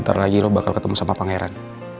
ntar lagi lo bakal ketemu sama pangeran